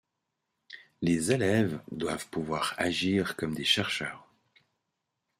Les élèves doivent pouvoir agir comme des chercheurs.